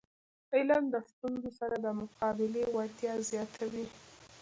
علم د ستونزو سره د مقابلي وړتیا زیاتوي.